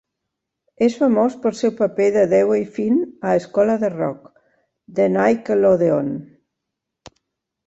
És famós pel seu paper de Dewey Finn a "Escola de rock" de Nickelodeon.